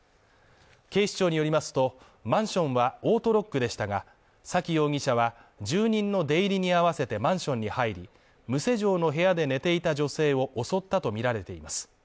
警視庁によりますと、マンションはオートロックでしたが、崎容疑者は、住人の出入りに合わせてマンションに入り、無施錠の部屋で寝ていた女性を襲ったとみられています。